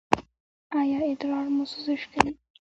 ایا ادرار مو سوزش کوي؟